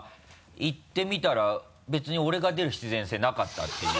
行ってみたら別に俺が出る必然性なかったっていう。